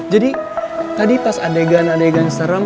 jadi tadi pas adegan adegan serem